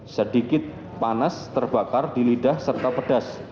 sedikit panas terbakar di lidah serta pedas